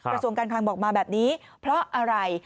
กระทรวงการคลังบอกมาแบบนี้เพราะอะไร